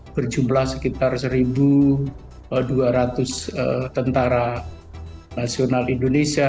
berjumlah sekitar satu dua ratus tentara nasional indonesia